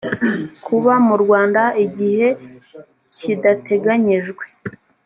kuba mu rwanda igihe kidateganyijwe